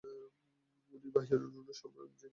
উনি বায়উর ভুডু সম্রাজ্ঞী।